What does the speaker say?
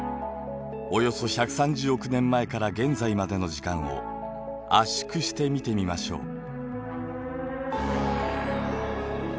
およそ１３０億年前から現在までの時間を圧縮して見てみましょう。